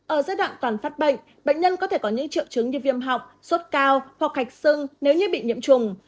ở giai đoạn toàn phát bệnh bệnh nhân có thể có những triệu chứng như viêm họng sốt cao hoặc hạch sưng nếu như bị nhiễm trùng